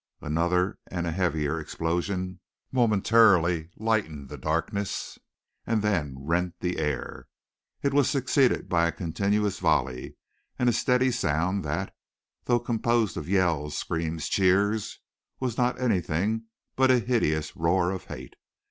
Another and a heavier explosion momentarily lightened the darkness and then rent the air. It was succeeded by a continuous volley and a steady sound that, though composed of yells, screams, cheers, was not anything but a hideous roar of hate.